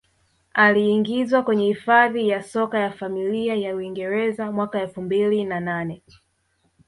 Aliingizwa kwenye Hifadhi ya Soka ya Familia ya Uingereza mwaka elfu mbili na nane